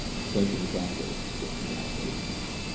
"Send for the doctor," suggested the housemaid.